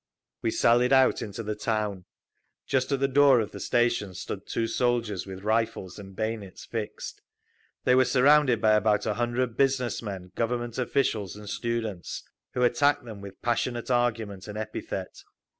We sallied out into the town. Just at the door of the station stood two soldiers with rifles and bayonets fixed. They were surrounded by about a hundred business men, Government officials and students, who attacked them with passionate argument and epithet.